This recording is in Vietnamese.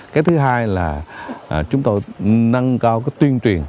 cái thứ hai là chúng tôi nâng cao cái tuyên truyền